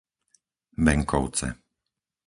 Benkovce